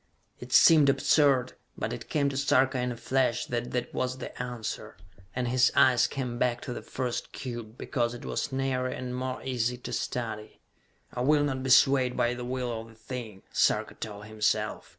It seemed absurd, but it came to Sarka in a flash that that was the answer, and his eyes came back to the first cube, because it was nearer and more easy to study. "I will not be swayed by the will of the thing," Sarka told himself.